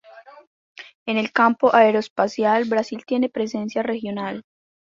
En el campo aeroespacial Brasil tiene presencia regional.